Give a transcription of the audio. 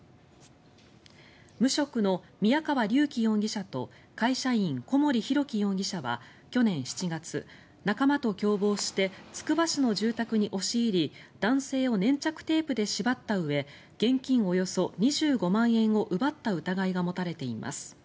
無職の宮川隆輝容疑者と会社員・小森広輝容疑者は去年７月、仲間と共謀してつくば市の住宅に押し入り男性を粘着テープで縛ったうえ現金およそ２５万円を奪った疑いが持たれています。